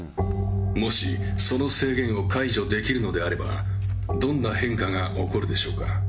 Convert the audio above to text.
もしその制限を解除できるのであれば、どんな変化が起こるでしょうか。